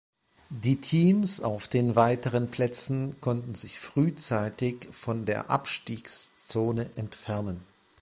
Die Teams auf den weiteren Plätzen konnten sich frühzeitig von der Abstiegszone entfernen.